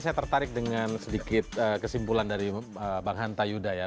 saya tertarik dengan sedikit kesimpulan dari bang hanta yuda ya